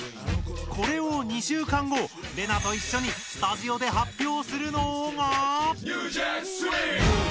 これを２週間後レナといっしょにスタジオで発表するのが。